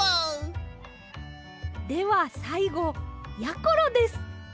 ではさいごやころです。